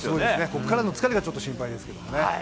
ここからの疲れがちょっと心配ですよね。